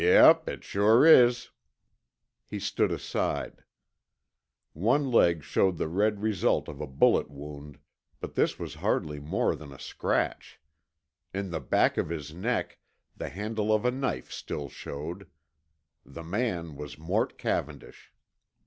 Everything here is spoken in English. "Yup, it shore is." He stood aside. One leg showed the red result of a bullet wound, but this was hardly more than a scratch. In the back of his neck the handle of a knife still showed. The man was Mort Cavendish.